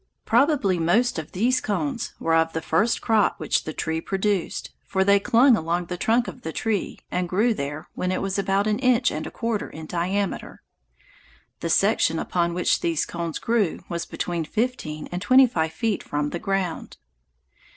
Probably most of these cones were of the first crop which the tree produced, for they clung along the trunk of the tree and grew there when it was about an inch and a quarter in diameter. The section upon which these cones grew was between fifteen and twenty five feet from the ground.